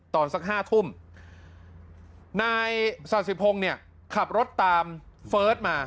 ตอนสักห้าทุ่มนายศาสิพงศ์เนี่ยขับรถตามเฟิร์สมา